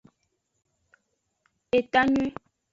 Etanyuie.